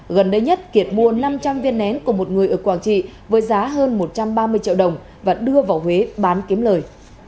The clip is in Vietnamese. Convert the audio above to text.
gần đây nhất kiệt mua năm trăm linh viên nén của một người ở quảng trị với giá hơn một trăm ba mươi triệu đồng và đưa vào huế bán kiếm lời